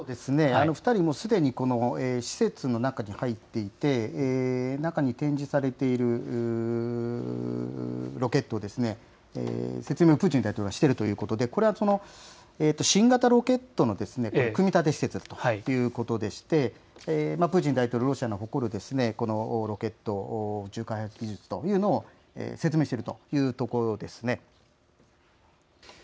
そうですね、２人もうすでに施設の中に入っていて中に展示されているロケット、説明をプーチン大統領がしているということでこれは新型ロケットの組み立て施設ということでプーチン大統領、ロシアの誇るロケット、宇宙開発技術というのを説明しているというところです。